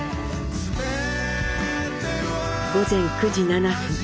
午前９時７分。